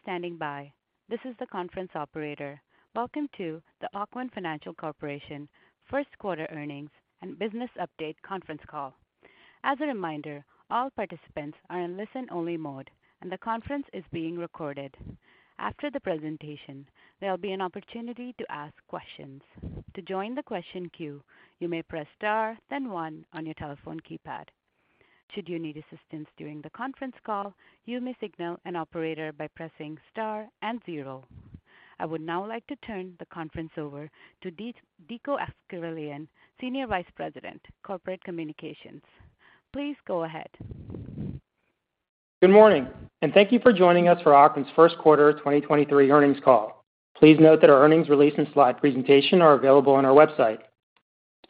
Welcome to the Ocwen Financial Corporation First Quarter Earnings and Business Update Conference Call. As a reminder, all participants are in listen-only mode, and the conference is being recorded. After the presentation, there'll be an opportunity to ask questions. To join the question queue, you may press star, then one on your telephone keypad. Should you need assistance during the conference call, you may signal an operator by pressing star and zero. I would now like to turn the conference over to Dico Akseraylian, Senior Vice President, Corporate Communications. Please go ahead. Good morning, thank you for joining us for Ocwen's First Quarter 2023 Earnings Call. Please note that our earnings release and slide presentation are available on our website.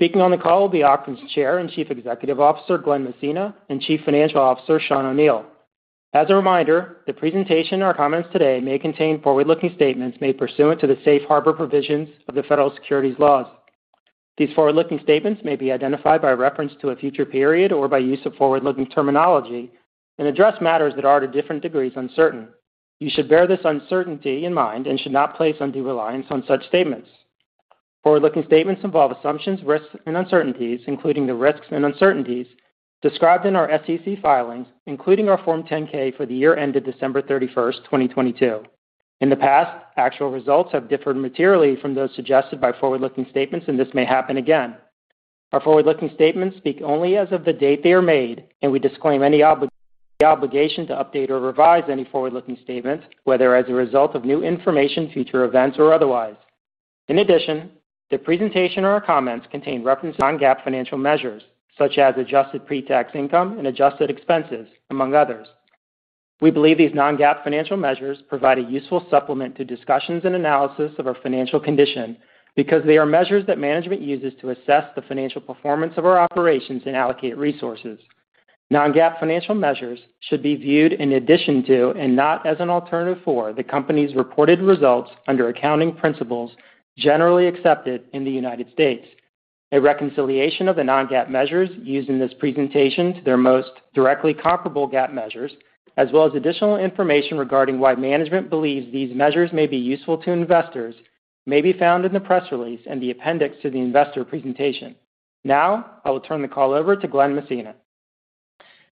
Speaking on the call will be Ocwen's Chair and Chief Executive Officer, Glen Messina, and Chief Financial Officer, Sean O'Neil. As a reminder, the presentation or comments today may contain forward-looking statements made pursuant to the safe harbor provisions of the Federal Securities laws. These forward-looking statements may be identified by reference to a future period or by use of forward-looking terminology and address matters that are, to different degrees, uncertain. You should bear this uncertainty in mind and should not place undue reliance on such statements. Forward-looking statements involve assumptions, risks, and uncertainties, including the risks and uncertainties described in our SEC filings, including our Form 10-K for the year ended December 31st, 2022. In the past, actual results have differed materially from those suggested by forward-looking statements, and this may happen again. Our forward-looking statements speak only as of the date they are made, and we disclaim any obligation to update or revise any forward-looking statements, whether as a result of new information, future events, or otherwise. In addition, the presentation or comments contain references to non-GAAP financial measures such as adjusted pre-tax income and adjusted expenses, among others. We believe these non-GAAP financial measures provide a useful supplement to discussions and analysis of our financial condition because they are measures that management uses to assess the financial performance of our operations and allocate resources. Non-GAAP financial measures should be viewed in addition to and not as an alternative for the company's reported results under accounting principles generally accepted in the United States. A reconciliation of the non-GAAP measures used in this presentation to their most directly comparable GAAP measures, as well as additional information regarding why management believes these measures may be useful to investors, may be found in the press release and the appendix to the investor presentation. I will turn the call over to Glen Messina.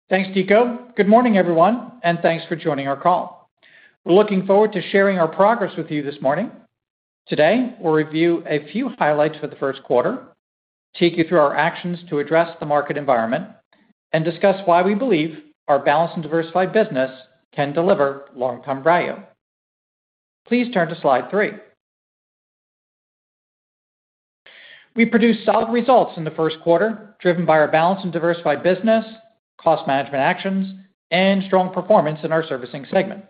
Thanks, Dico. Good morning, everyone, and thanks for joining our call. We're looking forward to sharing our progress with you this morning. Today, we'll review a few highlights for the first quarter, take you through our actions to address the market environment, and discuss why we believe our balanced and diversified business can deliver long-term value. Please turn to slide three. We produced solid results in the first quarter, driven by our balanced and diversified business, cost management actions, and strong performance in our Servicing segment.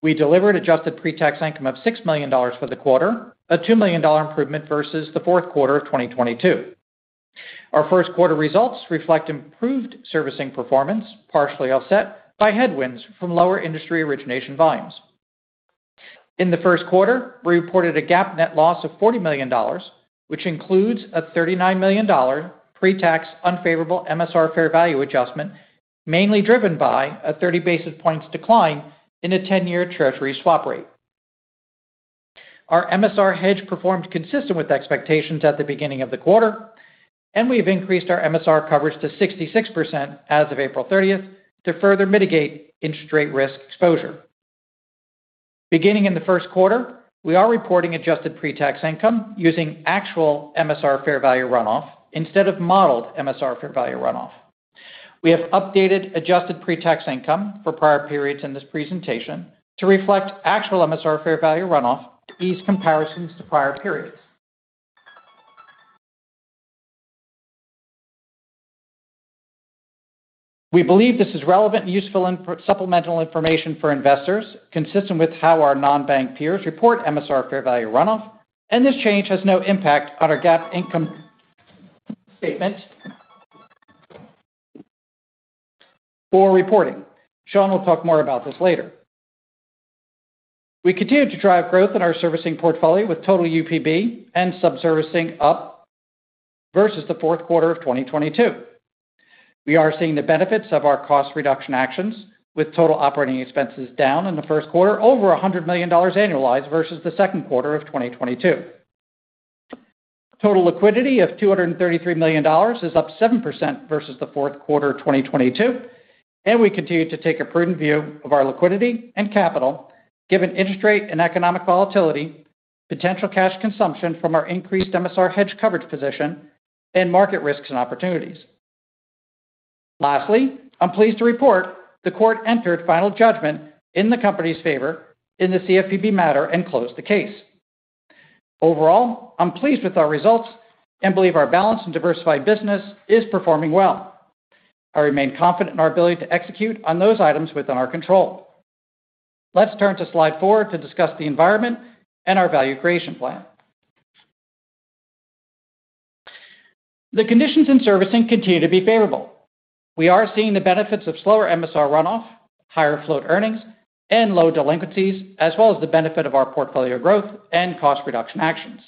We delivered adjusted pre-tax income of $6 million for the quarter, a $2 million improvement versus the fourth quarter of 2022. Our first quarter results reflect improved Servicing performance, partially offset by headwinds from lower industry origination volumes. In the first quarter, we reported a GAAP net loss of $40 million, which includes a $39 million pre-tax unfavorable MSR fair value adjustment, mainly driven by a 30 basis points decline in a 10-year treasury swap rate. Our MSR hedge performed consistent with expectations at the beginning of the quarter. We've increased our MSR coverage to 66% as of April 30th to further mitigate interest rate risk exposure. Beginning in the first quarter, we are reporting adjusted pre-tax income using actual MSR fair value runoff instead of modeled MSR fair value runoff. We have updated adjusted pre-tax income for prior periods in this presentation to reflect actual MSR fair value runoff to ease comparisons to prior periods. We believe this is relevant and useful supplemental information for investors, consistent with how our non-bank peers report MSR fair value runoff. This change has no impact on our GAAP income statement or reporting. Sean will talk more about this later. We continue to drive growth in our Servicing portfolio with total UPB and subservicing up versus the fourth quarter of 2022. We are seeing the benefits of our cost reduction actions, with total operating expenses down in the first quarter over $100 million annualized versus the second quarter of 2022. Total liquidity of $233 million is up 7% versus the fourth quarter of 2022. We continue to take a prudent view of our liquidity and capital, given interest rate and economic volatility, potential cash consumption from our increased MSR hedge coverage position, and market risks and opportunities. Lastly, I'm pleased to report the court entered final judgment in the company's favor in the CFPB matter and closed the case. Overall, I'm pleased with our results and believe our balanced and diversified business is performing well. I remain confident in our ability to execute on those items within our control. Let's turn to slide four to discuss the environment and our value creation plan. The conditions in Servicing continue to be favorable. We are seeing the benefits of slower MSR runoff, higher float earnings, and low delinquencies, as well as the benefit of our portfolio growth and cost reduction actions.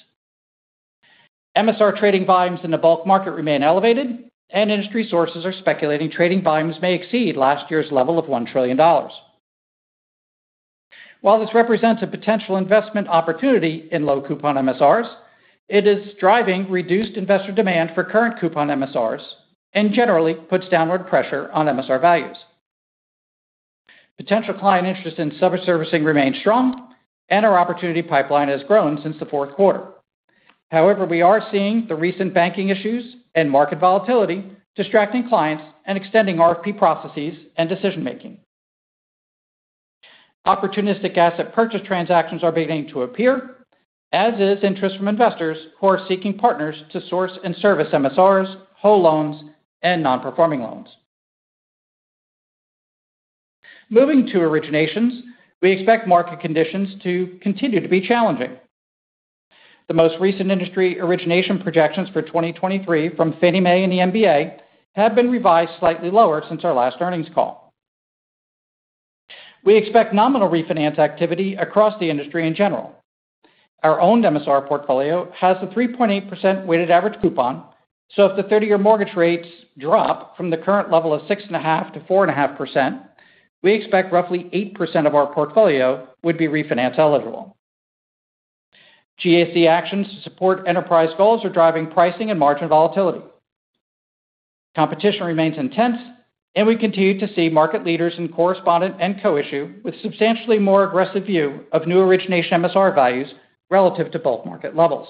MSR trading volumes in the bulk market remain elevated and industry sources are speculating trading volumes may exceed last year's level of $1 trillion. While this represents a potential investment opportunity in low coupon MSRs, it is driving reduced investor demand for current coupon MSRs and generally puts downward pressure on MSR values. Potential client interest in sub-servicing remains strong and our opportunity pipeline has grown since the fourth quarter. However, we are seeing the recent banking issues and market volatility distracting clients and extending RFP processes and decision-making. Opportunistic asset purchase transactions are beginning to appear, as is interest from investors who are seeking partners to source and service MSRs, whole loans, and non-performing loans. Moving to Originations, we expect market conditions to continue to be challenging. The most recent Industry Origination projections for 2023 from Fannie Mae and the MBA have been revised slightly lower since our last earnings call. We expect nominal refinance activity across the industry in general. Our own MSR portfolio has a 3.8% weighted average coupon. If the 30-year mortgage rates drop from the current level of 6.5% to 4.5%, we expect roughly 8% of our portfolio would be refinance eligible. GSE actions to support enterprise goals are driving pricing and margin volatility. Competition remains intense and we continue to see market leaders in correspondent and co-issue with substantially more aggressive view of new Origination MSR values relative to bulk market levels.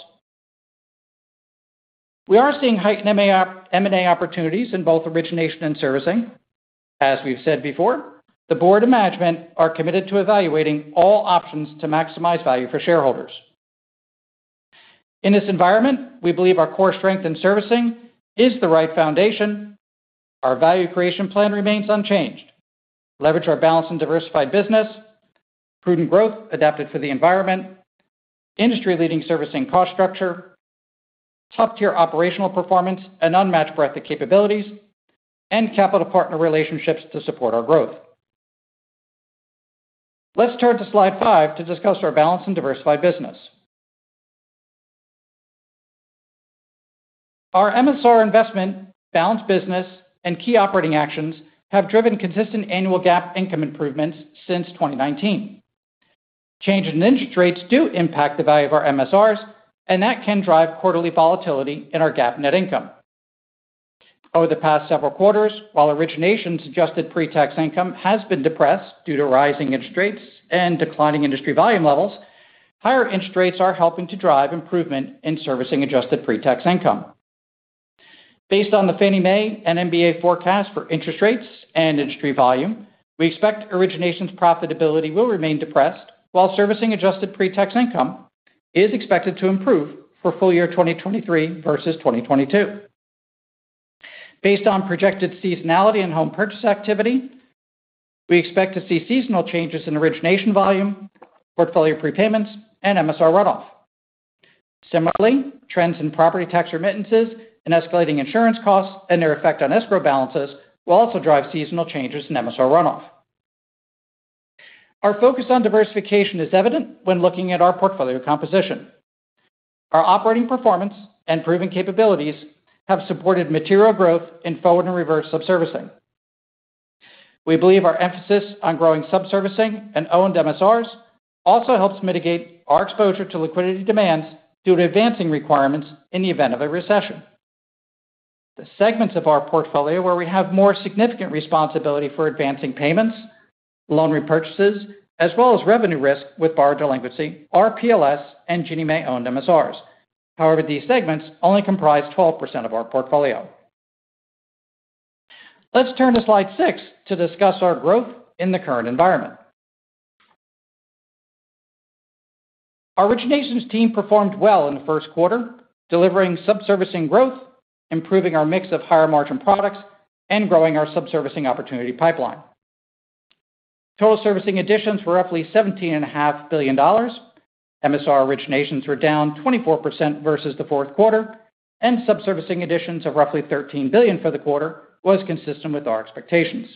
We are seeing heightened M&A opportunities in both Origination and Servicing. As we've said before, the board and management are committed to evaluating all options to maximize value for shareholders. In this environment, we believe our core strength in servicing is the right foundation. Our Value Creation plan remains unchanged. Leverage our balanced and diversified business, prudent growth adapted for the environment, industry-leading servicing cost structure, top-tier operational performance and unmatched breadth of capabilities, and capital partner relationships to support our growth. Let's turn to slide five to discuss our Balanced and Diversified business. Our MSR investment, Balanced business, and key operating actions have driven consistent annual GAAP income improvements since 2019. Change in interest rates do impact the value of our MSRs, and that can drive quarterly volatility in our GAAP net income. Over the past several quarters, while Origination's adjusted pre-tax income has been depressed due to rising interest rates and declining industry volume levels, higher interest rates are helping to drive improvement in Servicing adjusted pre-tax income. Based on the Fannie Mae and MBA forecast for interest rates and industry volume, we expect Origination's profitability will remain depressed while Servicing adjusted pre-tax income is expected to improve for full year 2023 versus 2022. Based on projected seasonality and home purchase activity, we expect to see seasonal changes in Origination volume, portfolio prepayments, and MSR runoff. Similarly, trends in property tax remittances and escalating insurance costs and their effect on escrow balances will also drive seasonal changes in MSR runoff. Our focus on diversification is evident when looking at our portfolio composition. Our operating performance and proven capabilities have supported material growth in forward and reverse sub-servicing. We believe our emphasis on growing sub-servicing and owned MSRs also helps mitigate our exposure to liquidity demands due to advancing requirements in the event of a recession. The segments of our portfolio where we have more significant responsibility for advancing payments, loan repurchases, as well as revenue risk with borrower delinquency are PLS and Ginnie Mae-owned MSRs. However, these segments only comprise 12% of our portfolio. Let's turn to slide six to discuss our growth in the current environment. Our Originations team performed well in the first quarter, delivering sub-servicing growth, improving our mix of higher margin products, and growing our sub-servicing opportunity pipeline. Total Servicing additions were roughly $17.5 billion. MSR Originations were down 24% versus the fourth quarter, and sub-servicing additions of roughly $13 billion for the quarter was consistent with our expectations.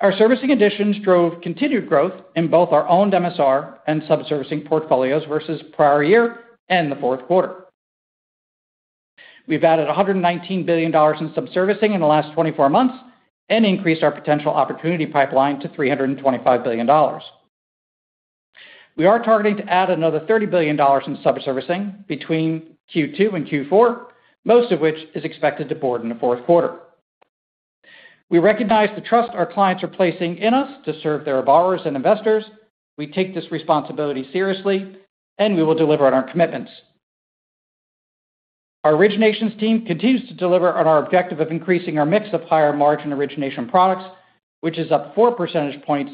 Our Servicing additions drove continued growth in both our owned MSR and sub-servicing portfolios versus prior year and the fourth quarter. We've added $119 billion in sub-servicing in the last 24 months and increased our potential opportunity pipeline to $325 billion. We are targeting to add another $30 billion in sub-servicing between Q2 and Q4, most of which is expected to board in the fourth quarter. We recognize the trust our clients are placing in us to serve their borrowers and investors. We take this responsibility seriously and we will deliver on our commitments. Our Originations team continues to deliver on our objective of increasing our mix of higher margin Origination products, which is up 4 percentage points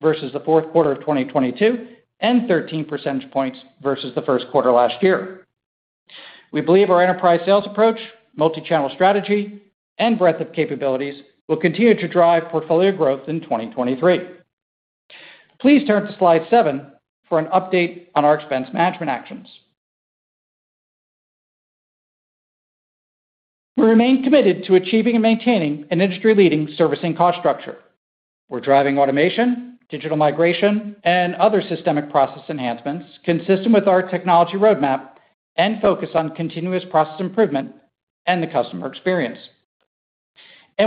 versus the fourth quarter of 2022 and 13 percentage points versus the first quarter last year. We believe our enterprise sales approach, multi-channel strategy, and breadth of capabilities will continue to drive portfolio growth in 2023. Please turn to slide seven for an update on our expense management actions. We remain committed to achieving and maintaining an industry-leading servicing cost structure. We're driving automation, digital migration, and other systemic process enhancements consistent with our technology roadmap and focus on continuous process improvement and the customer experience.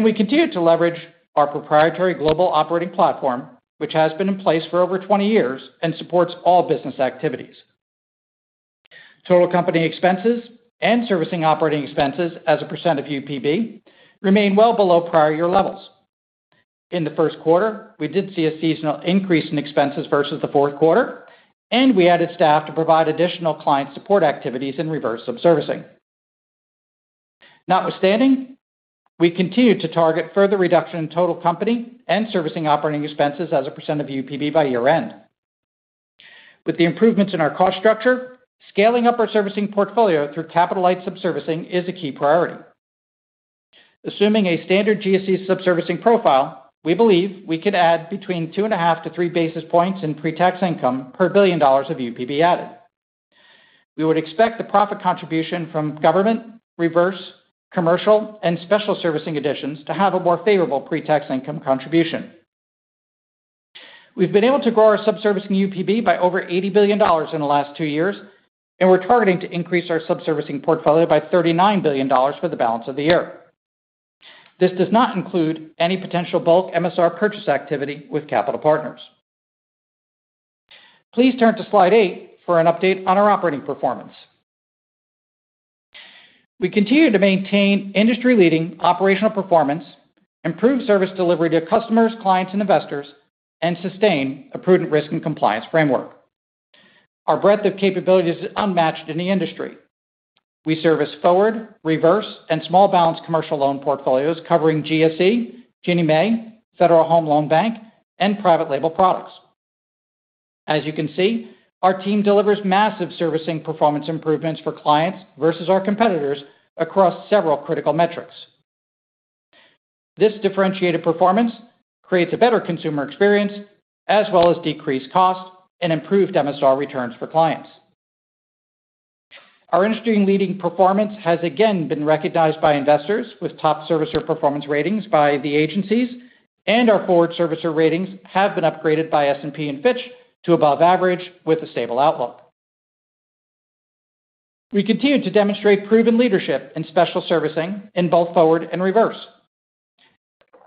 We continue to leverage our proprietary global operating platform, which has been in place for over 20 years and supports all business activities. Total company expenses and Servicing operating expenses as a % of UPB remain well below prior year levels. In the first quarter, we did see a seasonal increase in expenses versus the fourth quarter, and we added staff to provide additional client support activities in reverse sub servicing. Notwithstanding, we continue to target further reduction in total company and Servicing operating expenses as a percent of UPB by year-end. With the improvements in our cost structure, scaling up our Servicing portfolio through capital light sub servicing is a key priority. Assuming a standard GSE sub servicing profile, we believe we could add between 2.5 basis points to 3 basis points in pre-tax income per $1 billion of UPB added. We would expect the profit contribution from government, reverse, commercial, and special servicing additions to have a more favorable pre-tax income contribution. We've been able to grow our sub servicing UPB by over $80 billion in the last two years, and we're targeting to increase our Subservicing portfolio by $39 billion for the balance of the year. This does not include any potential bulk MSR purchase activity with capital partners. Please turn to slide eight for an update on our operating performance. We continue to maintain industry-leading operational performance, improve service delivery to customers, clients, and investors, and sustain a prudent risk and compliance framework. Our breadth of capabilities is unmatched in the industry. We service forward, reverse, and small balance commercial loan portfolios covering GSE, Ginnie Mae, Federal Home Loan Bank, and private label products. As you can see, our team delivers massive servicing performance improvements for clients versus our competitors across several critical metrics. This differentiated performance creates a better consumer experience as well as decreased costs and improved MSR returns for clients. Our industry-leading performance has again been recognized by investors with top servicer performance ratings by the agencies, and our forward servicer ratings have been upgraded by S&P and Fitch to above average with a stable outlook. We continue to demonstrate proven leadership in special servicing in both forward and reverse.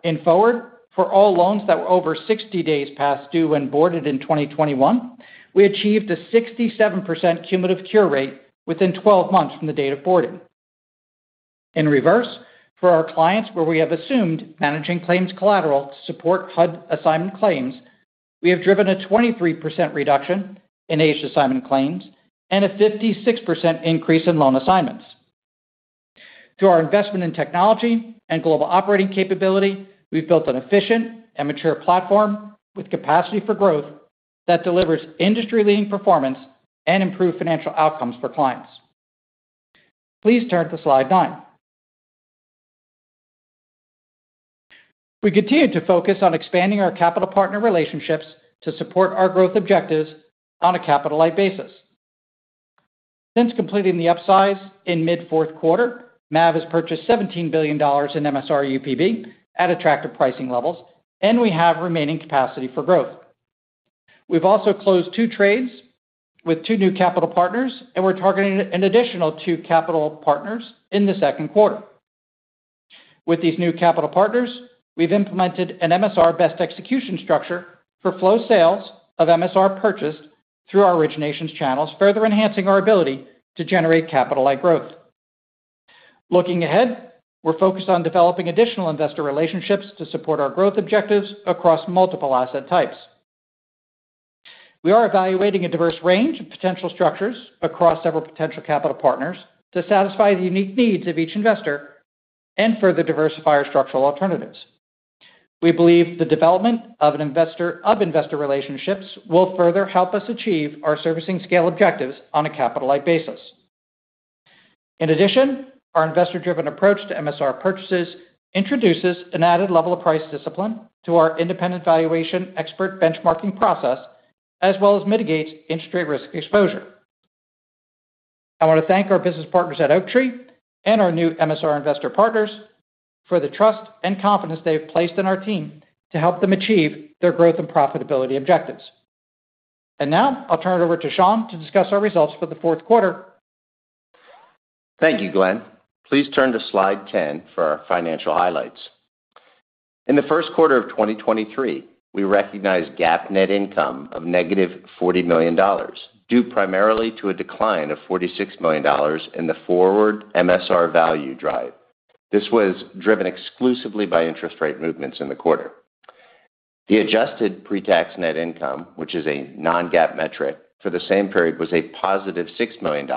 In forward, for all loans that were over 60 days past due when boarded in 2021, we achieved a 67% cumulative cure rate within 12 months from the date of boarding. In reverse, for our clients where we have assumed managing claims collateral to support HUD assignment claims, we have driven a 23% reduction in aged assignment claims and a 56% increase in loan assignments. Through our investment in technology and global operating capability, we've built an efficient and mature platform with capacity for growth that delivers industry-leading performance and improved financial outcomes for clients. Please turn to slide nine. We continue to focus on expanding our capital partner relationships to support our growth objectives on a capital light basis. Since completing the upsize in mid-fourth quarter, MAV has purchased $17 billion in MSR UPB at attractive pricing levels. We have remaining capacity for growth. We've also closed two trades with two new capital partners, and we're targeting an additional two capital partners in the second quarter. With these new capital partners, we've implemented an MSR best execution structure for flow sales of MSR purchased through our riginations channels, further enhancing our ability to generate capital-light growth. Looking ahead, we're focused on developing additional investor relationships to support our growth objectives across multiple asset types. We are evaluating a diverse range of potential structures across several potential capital partners to satisfy the unique needs of each investor and further diversify our structural alternatives. We believe the development of investor relationships will further help us achieve our servicing scale objectives on a capital-light basis. In addition, our investor-driven approach to MSR purchases introduces an added level of price discipline to our independent valuation expert benchmarking process, as well as mitigates industry risk exposure. I want to thank our business partners at Oaktree and our new MSR investor partners for the trust and confidence they have placed in our team to help them achieve their growth and profitability objectives. Now I'll turn it over to Sean to discuss our results for the fourth quarter. Thank you, Glen. Please turn to slide 10 for our financial highlights. In the first quarter of 2023, we recognized GAAP net income of -$40 million, due primarily to a decline of $46 million in the forward MSR value drive. This was driven exclusively by interest rate movements in the quarter. The adjusted pre-tax net income, which is a non-GAAP metric for the same period, was a positive $6 million,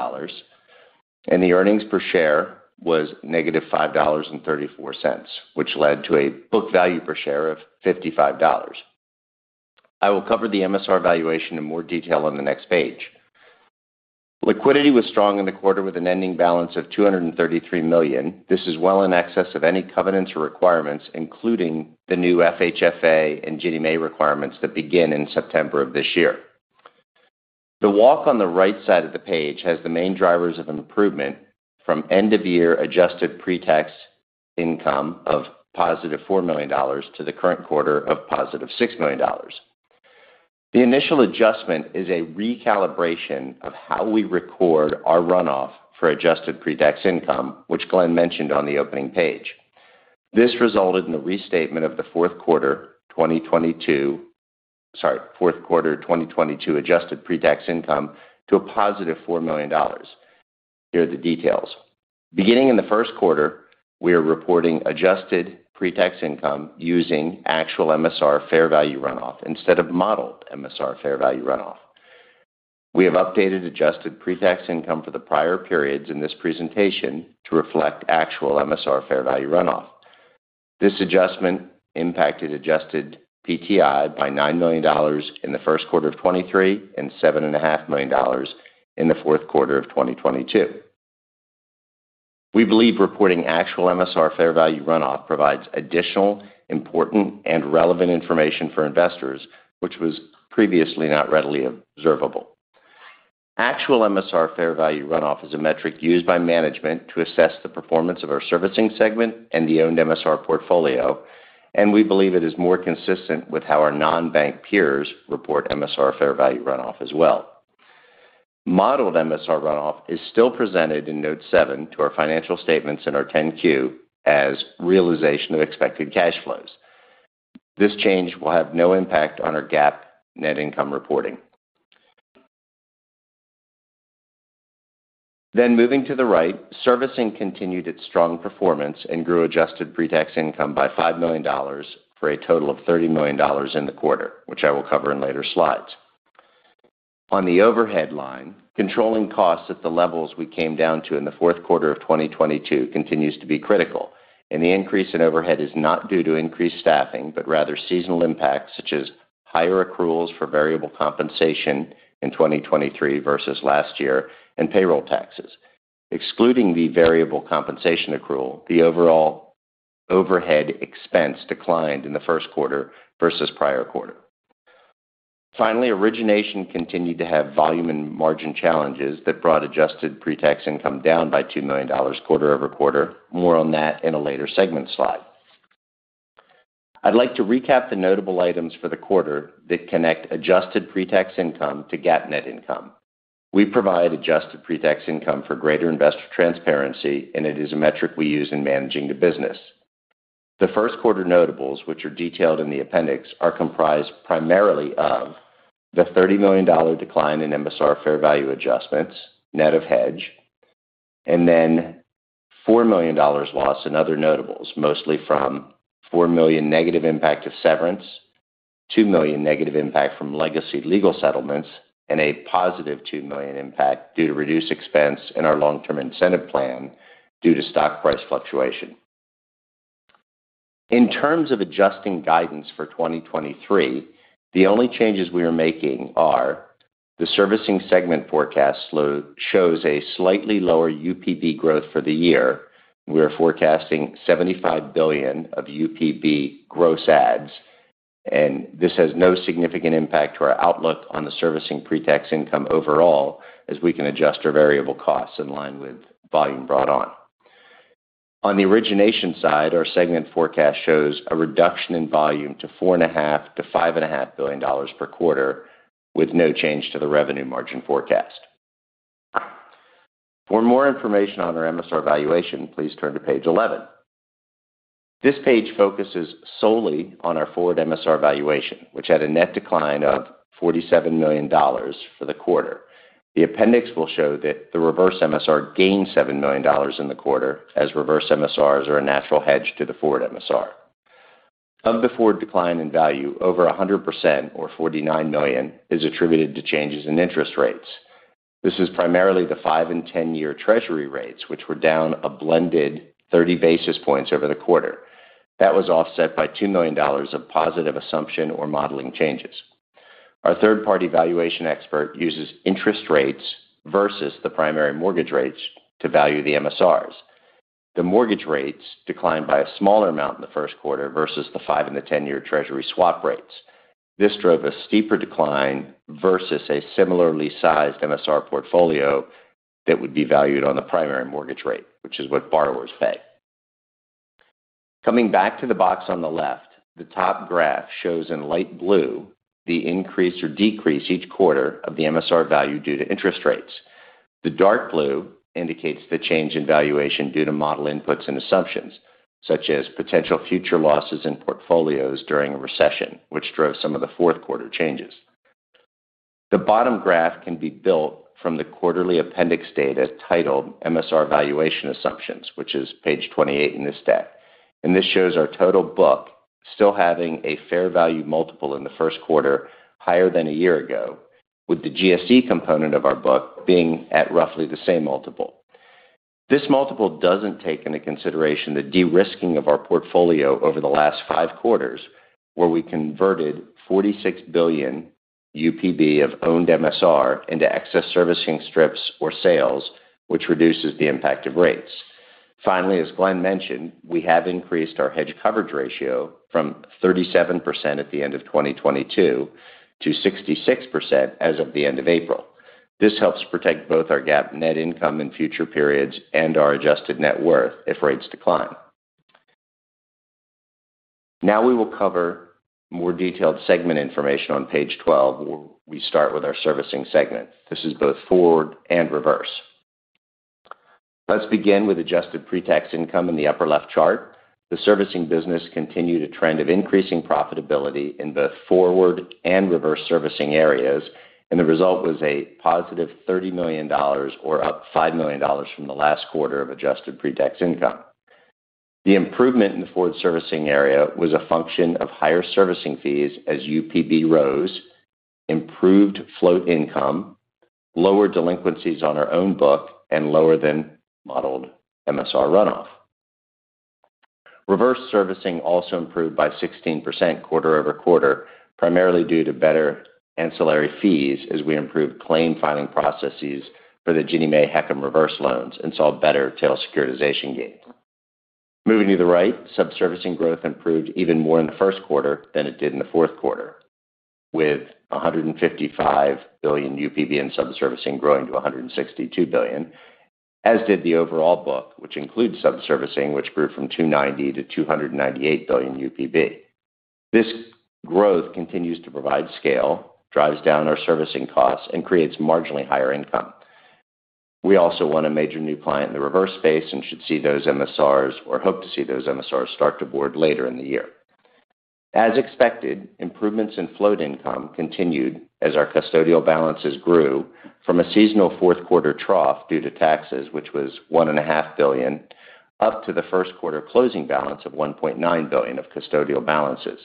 and the earnings per share was -$5.34, which led to a book value per share of $55. I will cover the MSR valuation in more detail on the next page. Liquidity was strong in the quarter with an ending balance of $233 million. This is well in excess of any covenants or requirements, including the new FHFA and Ginnie Mae requirements that begin in September of this year. The walk on the right side of the page has the main drivers of an improvement from end-of-year adjusted pre-tax income of positive $4 million to the current quarter of positive $6 million. The initial adjustment is a recalibration of how we record our runoff for adjusted pre-tax income, which Glen mentioned on the opening page. This resulted in the restatement of the fourth quarter 2022, sorry, fourth quarter 2022 adjusted pre-tax income to a positive $4 million. Here are the details. Beginning in the first quarter, we are reporting adjusted pre-tax income using actual MSR fair value runoff instead of modeled MSR fair value runoff. We have updated adjusted pre-tax income for the prior periods in this presentation to reflect actual MSR fair value runoff. This adjustment impacted adjusted PTI by $9 million in the first quarter of 2023 and $7.5 million dollars in the fourth quarter of 2022. We believe reporting actual MSR fair value runoff provides additional important and relevant information for investors, which was previously not readily observable. Actual MSR fair value runoff is a metric used by management to assess the performance of our Servicing segment and the owned MSR portfolio, and we believe it is more consistent with how our non-bank peers report MSR fair value runoff as well. Modeled MSR runoff is still presented in note seven to our financial statements in our 10-Q as realization of expected cash flows. This change will have no impact on our GAAP net income reporting. Moving to the right, Servicing continued its strong performance and grew adjusted pre-tax income by $5 million for a total of $30 million in the quarter, which I will cover in later slides. On the overhead line, controlling costs at the levels we came down to in the fourth quarter of 2022 continues to be critical, and the increase in overhead is not due to increased staffing, but rather seasonal impacts such as higher accruals for variable compensation in 2023 versus last year and payroll taxes. Excluding the variable compensation accrual, the overall overhead expense declined in the first quarter versus prior quarter. Origination continued to have volume and margin challenges that brought adjusted pre-tax income down by $2 million quarter-over-quarter. More on that in a later segment slide. I'd like to recap the notable items for the quarter that connect adjusted pre-tax income to GAAP net income. We provide adjusted pre-tax income for greater investor transparency, it is a metric we use in managing the business. The first quarter notables, which are detailed in the appendix, are comprised primarily of the $30 million decline in MSR fair value adjustments net of hedge then $4 million loss in other notables, mostly from $4 million negative impact of severance, $2 million negative impact from legacy legal settlements, a positive $2 million impact due to reduced expense in our long-term incentive plan due to stock price fluctuation. In terms of adjusting guidance for 2023, the only changes we are making are the Servicing segment forecast shows a slightly lower UPB growth for the year. We are forecasting $75 billion of UPB gross adds. This has no significant impact to our outlook on the Servicing pre-tax income overall as we can adjust our variable costs in line with volume brought on. On the Origination side, our segment forecast shows a reduction in volume to $4.5 half billion to $5.5 billion per quarter with no change to the revenue margin forecast. For more information on our MSR valuation, please turn to page 11. This page focuses solely on our forward MSR valuation, which had a net decline of $47 million for the quarter. The appendix will show that the reverse MSR gained $7 million in the quarter as reverse MSRs are a natural hedge to the forward MSR. Of the forward decline in value, over 100% or $49 million is attributed to changes in interest rates. This is primarily the 5-year and 10-year Treasury rates, which were down a blended 30 basis points over the quarter. That was offset by $2 million of positive assumption or modeling changes. Our third-party valuation expert uses interest rates versus the primary mortgage rates to value the MSRs. The mortgage rates declined by a smaller amount in the first quarter versus the 5-year and the 10-year Treasury swap rates. This drove a steeper decline versus a similarly sized MSR portfolio that would be valued on the primary mortgage rate, which is what borrowers pay. Coming back to the box on the left, the top graph shows in light blue the increase or decrease each quarter of the MSR value due to interest rates. The dark blue indicates the change in valuation due to model inputs and assumptions, such as potential future losses in portfolios during a recession, which drove some of the fourth quarter changes. The bottom graph can be built from the quarterly appendix data titled MSR Valuation Assumptions, which is page 28 in this deck. This shows our total book still having a fair value multiple in the first quarter higher than a year ago, with the GSE component of our book being at roughly the same multiple. This multiple doesn't take into consideration the de-risking of our portfolio over the last five quarters, where we converted $46 billion UPB of owned MSR into excess servicing strips or sales, which reduces the impact of rates. As Glen mentioned, we have increased our hedge coverage ratio from 37% at the end of 2022 to 66% as of the end of April. This helps protect both our GAAP net income in future periods and our adjusted net worth if rates decline. We will cover more detailed segment information on page 12, where we start with our Servicing segment. This is both forward and reverse. Let's begin with adjusted pre-tax income in the upper left chart. The Servicing business continued a trend of increasing profitability in both forward and reverse servicing areas. The result was a positive $30 million or up $5 million from the last quarter of adjusted pre-tax income. The improvement in the forward servicing area was a function of higher servicing fees as UPB rose, improved float income, lower delinquencies on our own book, and lower than modeled MSR runoff. Reverse servicing also improved by 16% quarter-over-quarter, primarily due to better ancillary fees as we improved claim filing processes for the Ginnie Mae HECM reverse loans and saw better tail securitization gains. Moving to the right, Subservicing growth improved even more in the first quarter than it did in the fourth quarter, with $155 billion UPB in subservicing growing to $162 billion, as did the overall book, which includes subservicing, which grew from $290 billion to $298 billion UPB. This growth continues to provide scale, drives down our servicing costs, and creates marginally higher income. We also won a major new client in the reverse space and should see those MSRs or hope to see those MSRs start to board later in the year. As expected, improvements in float income continued as our custodial balances grew from a seasonal fourth quarter trough due to taxes, which was one and a half billion, up to the first quarter closing balance of $1.9 billion of custodial balances.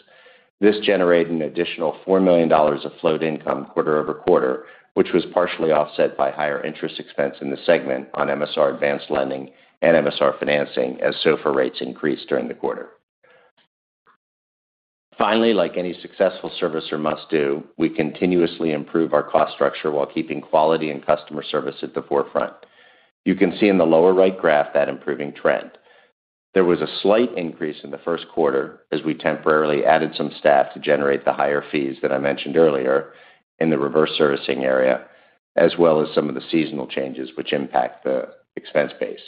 This generated an additional $4 million of float income quarter-over-quarter, which was partially offset by higher interest expense in the segment on MSR advanced lending and MSR financing as SOFR rates increased during the quarter. Like any successful servicer must do, we continuously improve our cost structure while keeping quality and customer service at the forefront. You can see in the lower right graph that improving trend. There was a slight increase in the first quarter as we temporarily added some staff to generate the higher fees that I mentioned earlier in the reverse servicing area, as well as some of the seasonal changes which impact the expense base.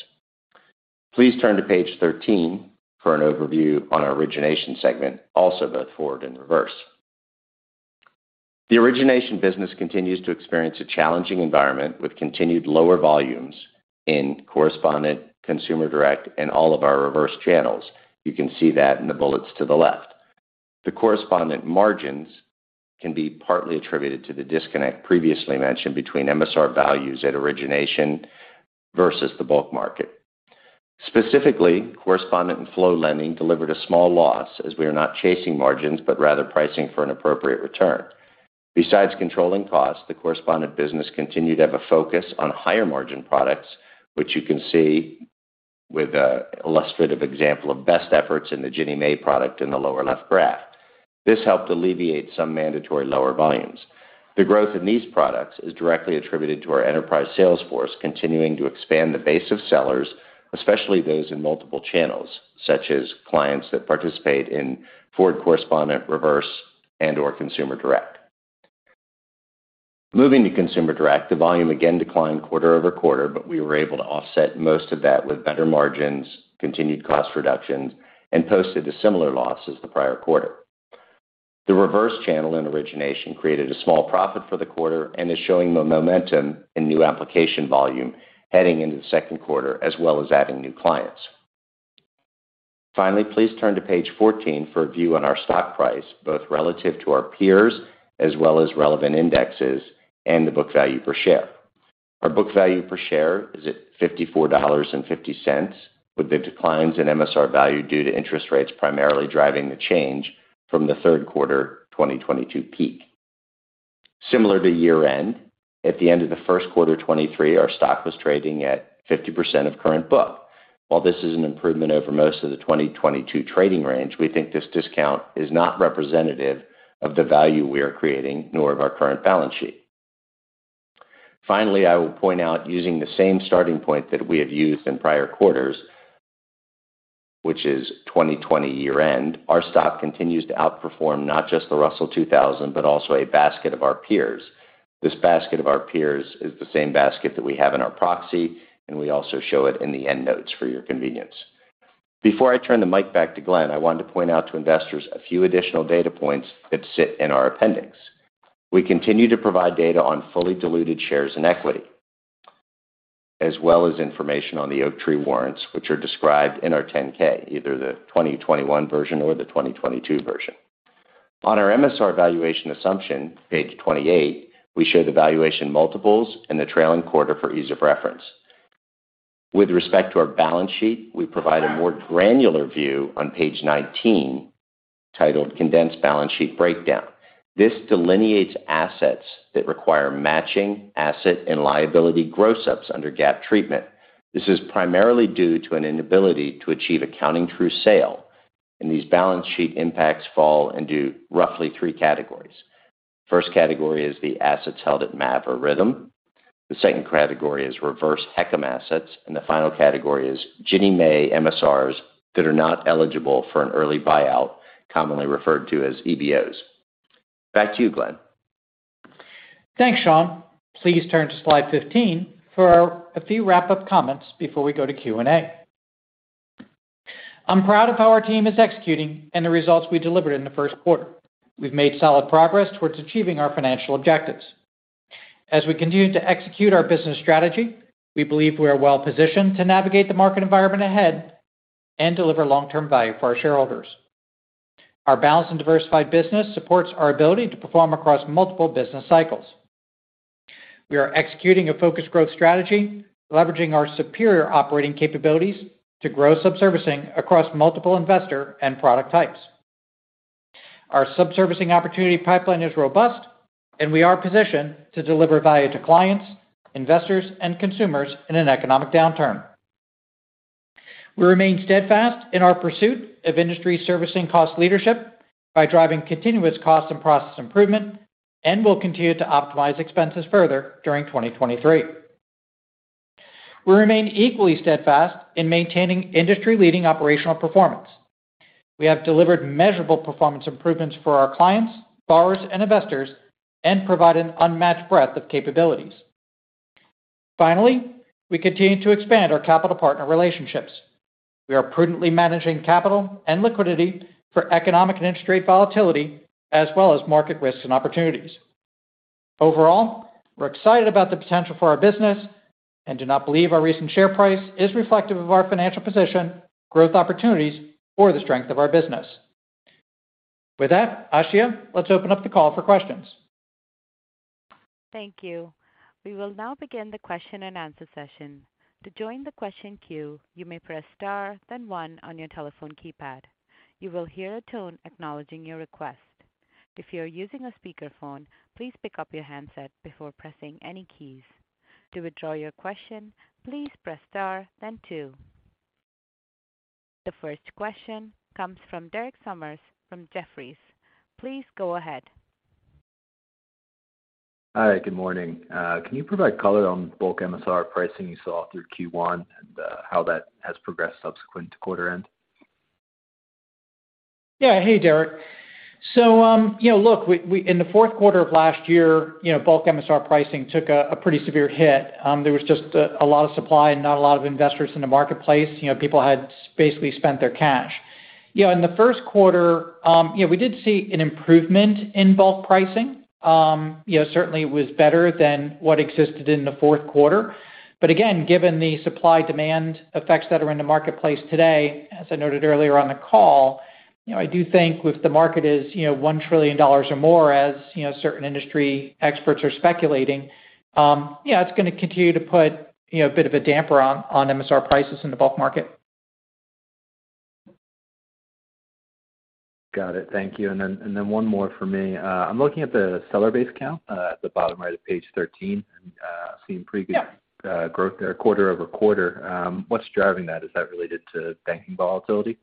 Please turn to page 13 for an overview on our Origination segment, also both forward and reverse. The Origination business continues to experience a challenging environment with continued lower volumes in correspondent, consumer direct, and all of our reverse channels. You can see that in the bullets to the left. The correspondent margins can be partly attributed to the disconnect previously mentioned between MSR values at Origination versus the bulk market. Specifically, correspondent and flow lending delivered a small loss as we are not chasing margins, but rather pricing for an appropriate return. Besides controlling costs, the correspondent business continued to have a focus on higher margin products, which you can see with a illustrative example of best efforts in the Ginnie Mae product in the lower left graph. This helped alleviate some mandatory lower volumes. The growth in these products is directly attributed to our enterprise sales force continuing to expand the base of sellers, especially those in multiple channels, such as clients that participate in forward correspondent, reverse, and/or consumer direct. Moving to consumer direct, the volume again declined quarter-over-quarter, but we were able to offset most of that with better margins, continued cost reductions, and posted a similar loss as the prior quarter. The reverse channel in Origination created a small profit for the quarter and is showing the momentum in new application volume heading into the second quarter, as well as adding new clients. Finally, please turn to page 14 for a view on our stock price, both relative to our peers as well as relevant indexes and the book value per share. Our book value per share is at $54.50, with the declines in MSR value due to interest rates primarily driving the change from the third quarter 2022 peak. Similar to year-end, at the end of the first quarter 2023, our stock was trading at 50% of current book. While this is an improvement over most of the 2022 trading range, we think this discount is not representative of the value we are creating, nor of our current balance sheet. I will point out using the same starting point that we have used in prior quarters, which is 2020 year-end, our stock continues to outperform not just the Russell 2000, but also a basket of our peers. This basket of our peers is the same basket that we have in our proxy, we also show it in the end notes for your convenience. Before I turn the mic back to Glen, I wanted to point out to investors a few additional data points that sit in our appendix. We continue to provide data on fully diluted shares in equity, as well as information on the Oaktree warrants, which are described in our 10-K, either the 2021 version or the 2022 version. On our MSR valuation assumption, page 28, we show the valuation multiples in the trailing quarter for ease of reference. With respect to our balance sheet, we provide a more granular view on page 19 titled Condensed Balance Sheet Breakdown. This delineates assets that require matching asset and liability gross ups under GAAP treatment. This is primarily due to an inability to achieve accounting true sale. These balance sheet impacts fall into roughly three categories. First category is the assets held at MAV or Rithm. The second category is reverse HECM assets. The final category is Ginnie Mae MSRs that are not eligible for an early buyout, commonly referred to as EBOs. Back to you, Glen. Thanks, Sean. Please turn to slide 15 for a few wrap-up comments before we go to Q&A. I'm proud of how our team is executing and the results we delivered in the first quarter. We've made solid progress towards achieving our financial objectives. As we continue to execute our business strategy, we believe we are well-positioned to navigate the market environment ahead and deliver long-term value for our shareholders. Our balanced and diversified business supports our ability to perform across multiple business cycles. We are executing a focused growth strategy, leveraging our superior operating capabilities to grow subservicing across multiple investor and product types. Our subservicing opportunity pipeline is robust, and we are positioned to deliver value to clients, investors, and consumers in an economic downturn We remain steadfast in our pursuit of industry servicing cost leadership by driving continuous cost and process improvement, and we'll continue to optimize expenses further during 2023. We remain equally steadfast in maintaining industry-leading operational performance. We have delivered measurable performance improvements for our clients, borrowers, and investors and provide an unmatched breadth of capabilities. Finally, we continue to expand our capital partner relationships. We are prudently managing capital and liquidity for economic and interest rate volatility as well as market risks and opportunities. Thank you. We will now begin the question-and-answer session. To join the question queue, you may press star, then one on your telephone keypad. You will hear a tone acknowledging your request. If you are using a speakerphone, please pick up your handset before pressing any keys. To withdraw your question, please press star then two. The first question comes from Derek Sommers from Jefferies. Please go ahead. Hi, good morning. Can you provide color on bulk MSR pricing you saw through Q1 and, how that has progressed subsequent to quarter end? Yeah. Hey, Derek. You know, look, we in the fourth quarter of last year, you know, bulk MSR pricing took a pretty severe hit. There was just a lot of supply and not a lot of investors in the marketplace. You know, people had basically spent their cash. You know, in the first quarter, you know, we did see an improvement in bulk pricing. You know, certainly it was better than what existed in the fourth quarter. Again, given the supply-demand effects that are in the marketplace today, as I noted earlier on the call, you know, I do think if the market is, you know, $1 trillion or more as, you know, certain industry experts are speculating, you know, it's gonna continue to put, you know, a bit of a damper on MSR prices in the bulk market. Got it. Thank you. One more for me. I'm looking at the seller base count, at the bottom right of page 13 and, seeing pretty good. Yeah. Growth there quarter-over-quarter. What's driving that? Is that related to banking volatility?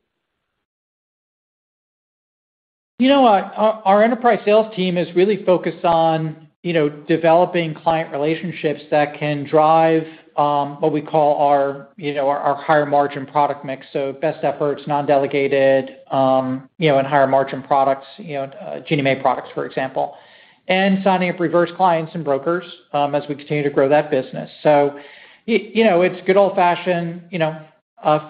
You know what? Our, our enterprise sales team is really focused on, you know, developing client relationships that can drive, what we call our, you know, our higher margin product mix, so best efforts, non-delegated, you know, and higher margin products, you know, Ginnie Mae products, for example. Signing up reverse clients and brokers, as we continue to grow that business. You know, it's good old-fashioned, you know,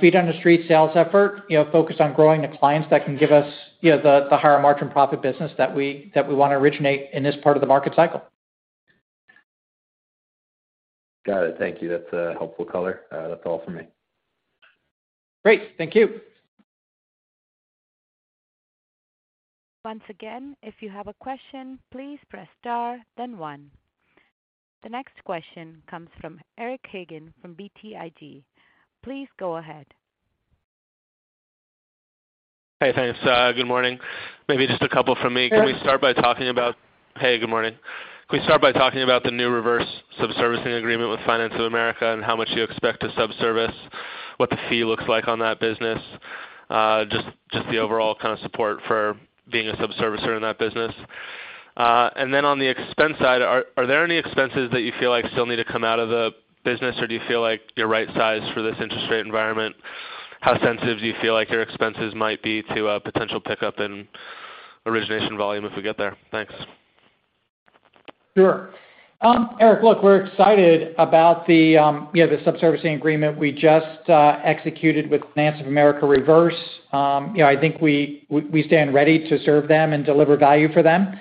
feet on the street sales effort, you know, focused on growing the clients that can give us, you know, the higher margin profit business that we, that we wanna originate in this part of the market cycle. Got it. Thank you. That's a helpful color. That's all for me. Great. Thank you. Once again, if you have a question, please press star then one. The next question comes from Eric Hagen from BTIG. Please go ahead. Hey, thanks. Good morning. Maybe just a couple from me. Sure. Good morning. Can we start by talking about the new reverse subservicing agreement with Finance of America and how much you expect to subservice? What the fee looks like on that business? Just the overall kind of support for being a subservicer in that business. Then on the expense side, are there any expenses that you feel like still need to come out of the business, or do you feel like you're right size for this interest rate environment? How sensitive do you feel like your expenses might be to a potential pickup in origination volume if we get there? Thanks. Sure. Eric, look, we're excited about the, you know, the subservicing agreement we just executed with Finance of America Reverse. You know, I think we stand ready to serve them and deliver value for them.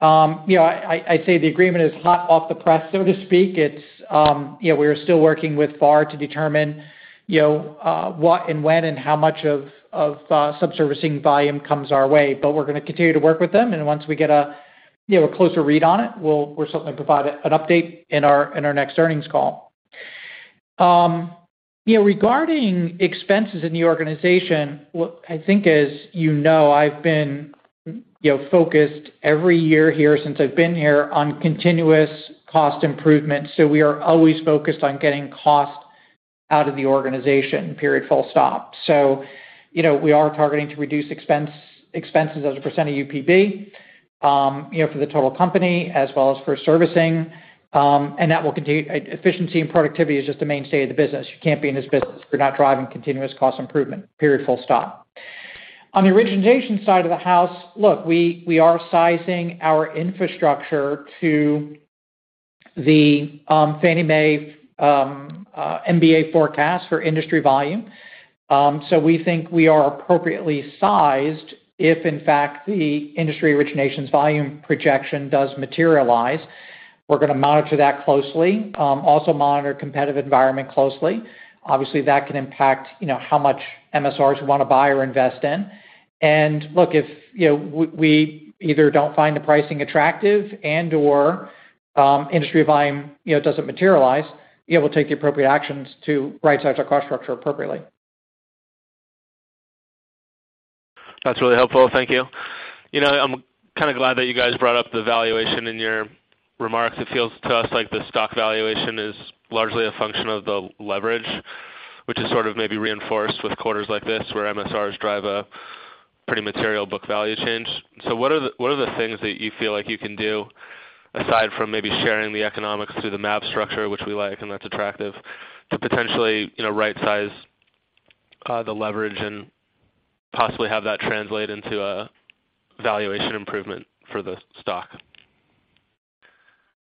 You know, I'd say the agreement is hot off the press, so to speak. It's, you know, we are still working with FAR to determine, you know, what and when and how much of subservicing volume comes our way. We're gonna continue to work with them, and once we get a, you know, a closer read on it, we'll certainly provide an update in our, in our next earnings call. You know, regarding expenses in the organization, look, I think as you know, I've been, you know, focused every year here since I've been here on continuous cost improvement, so we are always focused on getting cost-out of the organization, period, full stop. You know, we are targeting to reduce expenses as a percent of UPB, you know, for the total company as well as for Servicing. That will continue. Efficiency and productivity is just a mainstay of the business. You can't be in this business if you're not driving continuous cost improvement, period, full stop. On the Origination side of the house, look, we are sizing our infrastructure to the Fannie Mae MBA forecast for industry volume. We think we are appropriately sized if in fact the industry Originations volume projection does materialize. We're gonna monitor that closely, also monitor competitive environment closely. Obviously, that can impact, you know, how much MSRs we wanna buy or invest in. Look, if, you know, we either don't find the pricing attractive and/or, industry volume, you know, doesn't materialize, we'll take the appropriate actions to rightsize our cost structure appropriately. That's really helpful. Thank you. You know, I'm kinda glad that you guys brought up the valuation in your remarks. It feels to us like the stock valuation is largely a function of the leverage, which is sort of maybe reinforced with quarters like this, where MSRs drive a pretty material book value change. What are the things that you feel like you can do aside from maybe sharing the economics through the MAP structure, which we like and that's attractive, to potentially, you know, rightsize the leverage and possibly have that translate into a valuation improvement for the stock?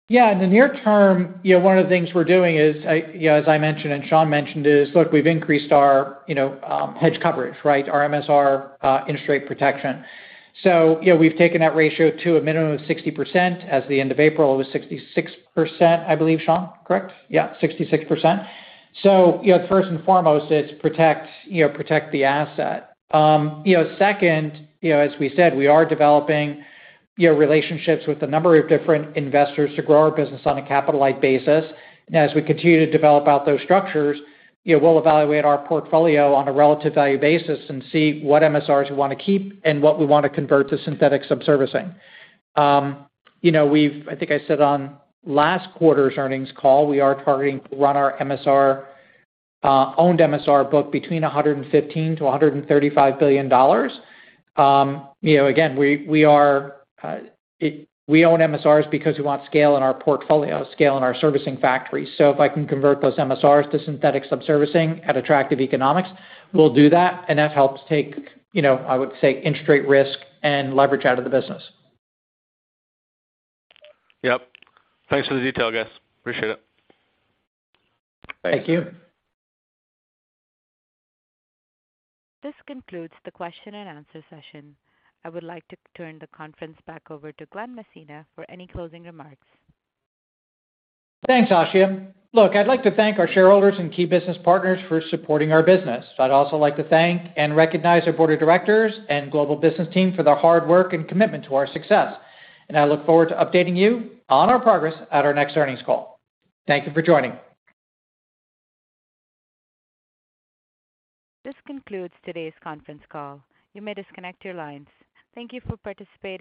In the near term, you know, one of the things we're doing is, you know, as I mentioned and Sean mentioned is, look, we've increased our, you know, hedge coverage, right? Our MSR interest rate protection. You know, we've taken that ratio to a minimum of 60%. As of the end of April, it was 66%, I believe, Sean. Correct? 66%. You know, first and foremost it's protect, you know, protect the asset. You know, second, you know, as we said, we are developing, you know, relationships with a number of different investors to grow our business on a capital-like basis. As we continue to develop out those structures, you know, we'll evaluate our portfolio on a relative value basis and see what MSRs we wanna keep and what we wanna convert to synthetic subservicing. you know, I think I said on last quarter's earnings call, we are targeting to run our MSR owned MSR book between $115 billion-$135 billion. you know, again, we are, we own MSRs because we want scale in our portfolio, scale in our Servicing factory. If I can convert those MSRs to synthetic subservicing at attractive economics, we'll do that, and that helps take, you know, I would say interest rate risk and leverage out of the business. Yep. Thanks for the detail, guys. Appreciate it. Thank you. This concludes the question and answer session. I would like to turn the conference back over to Glen Messina for any closing remarks. Thanks, Ashia. Look, I'd like to thank our shareholders and key business partners for supporting our business. I'd also like to thank and recognize our board of directors and global business team for their hard work and commitment to our success. I look forward to updating you on our progress at our next earnings call. Thank you for joining. This concludes today's conference call. You may disconnect your lines. Thank you for participating.